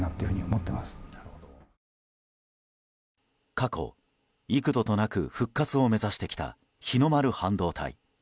過去、幾度となく復活を目指してきた日の丸半導体。